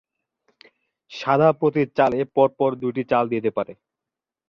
সাদা প্রতি চালে পরপর দুটি চাল দিতে পারে।